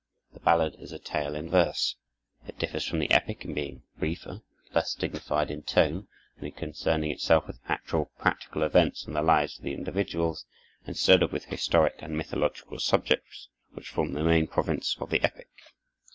The ballad is a tale in verse. It differs from the epic in being briefer, less dignified in tone, and in concerning itself with actual practical events in the lives of individuals, instead of with historic and mythological subjects, which form the main province of the epic.